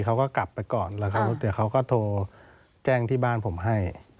เขาก็กลับไปก่อนแล้วเดี๋ยวเขาก็โทรแจ้งที่บ้านผมให้